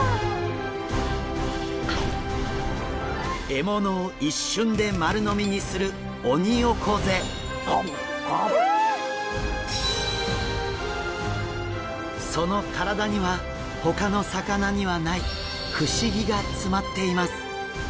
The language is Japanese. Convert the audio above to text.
獲物を一瞬で丸飲みにするその体にはほかの魚にはない不思議が詰まっています。